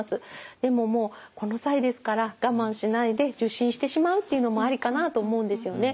でももうこの際ですから我慢しないで受診してしまうっていうのもありかなと思うんですよね。